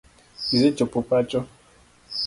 Isechopo pacho ?